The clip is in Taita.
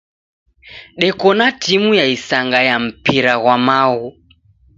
Deko na timu ya isanga ya mpira ghwa maghu.